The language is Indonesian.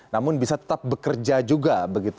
namun bisa tetap bekerja juga